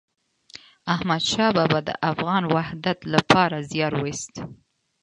احمد شاه بابا د افغان وحدت لپاره زیار وایست.